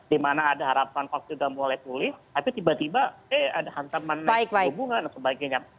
dimana ada harapan waktu sudah mulai pulih tapi tiba tiba eh ada hantaman naik hubungan dan sebagainya